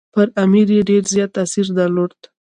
پر امیر یې ډېر زیات تاثیر درلود.